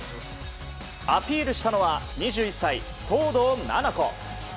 アピールしたのは２１歳、東藤なな子。